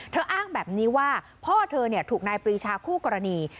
อ้างแบบนี้ว่าพ่อเธอถูกนายปรีชาคู่กรณี